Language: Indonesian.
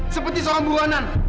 seperti seorang buruanan